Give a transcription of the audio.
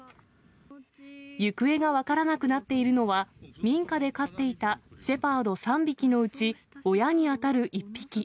行方が分からなくなっているのは、民家で飼っていたシェパード３匹のうち、親に当たる１匹。